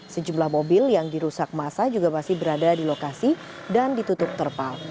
sejumlah mobil yang dirusak masa juga masih berada di lokasi dan ditutup terpal